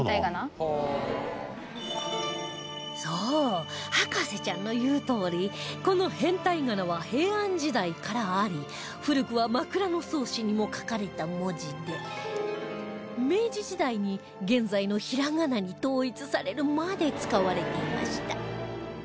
そう博士ちゃんの言うとおりこの変体仮名は平安時代からあり古くは『枕草子』にも書かれた文字で明治時代に現在のひらがなに統一されるまで使われていました